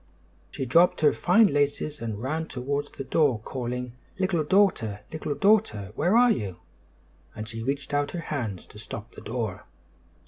She dropped her fine laces and ran towards the door, calling, "Little Daughter! Little Daughter! Where are you?" and she reached out her hands to stop the door.